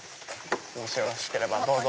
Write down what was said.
もしよろしければどうぞ。